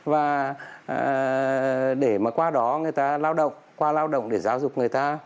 và để mà qua đó người ta lao động qua lao động để giáo dục người ta